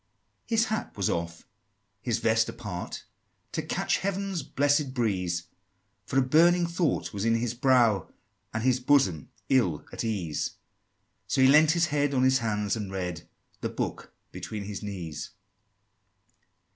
IV. His hat was off, his vest apart, To catch heaven's blessed breeze; For a burning thought was in his brow, And his bosom ill at ease: So he lean'd his head on his hands, and read The book between his knees!